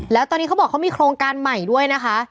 แล้วตอนนี้เขาบอกเขามีโครงการใหม่ด้วยนะคะ